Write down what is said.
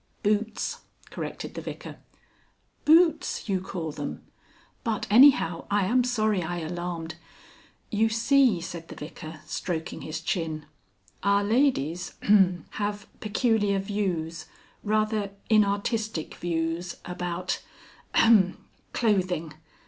"Boots," corrected the Vicar. "Boots, you call them! But anyhow, I am sorry I alarmed " "You see," said the Vicar, stroking his chin, "our ladies, ahem, have peculiar views rather inartistic views about, ahem, clothing.